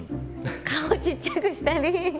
顔ちっちゃくしたり。